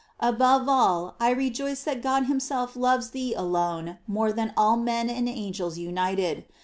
Above all, I rejoice that God himself loves thee alone more than all men and angels united.